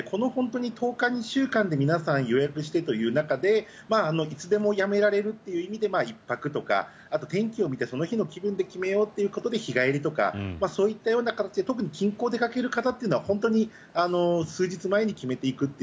この１０日、２週間で皆さん予約してという中でいつでもやめられるという意味で１泊とか天気を見てその日の気分で決めようということで日帰りとかそういったような形で特に近郊に出かける方は本当に数日前に決めて行くと。